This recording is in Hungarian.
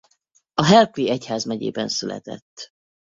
A Harclay-i egyházmegyében született.